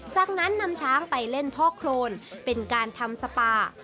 จากนั้นนำช้างไปเล่นพ่อโครนเป็นการทำสปา